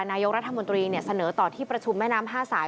นายกรัฐมนตรีเสนอต่อที่ประชุมแม่น้ำ๕สาย